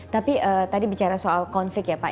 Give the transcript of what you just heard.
tapi tadi bicara soal konflik ya pak